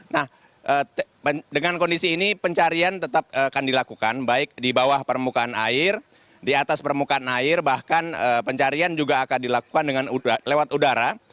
nah dengan kondisi ini pencarian tetap akan dilakukan baik di bawah permukaan air di atas permukaan air bahkan pencarian juga akan dilakukan lewat udara